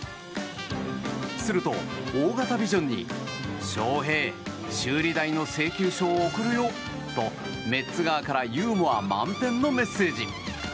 すると、大型ビジョンにショウヘイ修理代の請求書を送るよとメッツ側からユーモア満点のメッセージ。